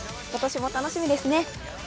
今年も楽しみですね。